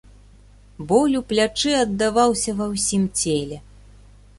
Боль у плячы аддаваўся ва ўсім целе.